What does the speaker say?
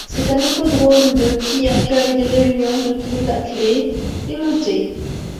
C'est un hippodrome de qui accueille des réunions de trot attelé et monté.